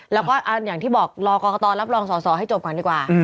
แล้วก็อย่างที่บอกรอกรกตรับรองสอสอให้จบก่อนดีกว่า